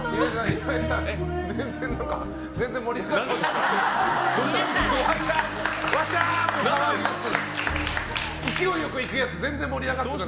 岩井さん、全然盛り上がってない。